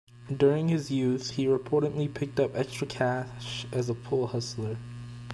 During his youth, he reportedly picked up extra cash as a pool hustler.